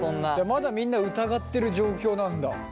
まだみんな疑ってる状況なんだ。